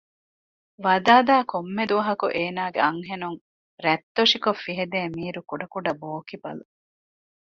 ވަދާދާ ކޮންމެ ދުވަހަކު އޭނާގެ އަންހެނުން ރަތްތޮށިކޮށް ފިހެދޭ މީރު ކުޑަކުޑަ ބޯކިބަލު